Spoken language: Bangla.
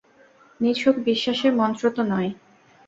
নিছক বিশ্বাসের মন্ত্র তো নয়।